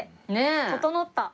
整った。